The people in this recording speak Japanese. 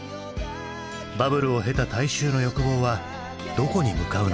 バブルを経た大衆の欲望はどこに向かうのか。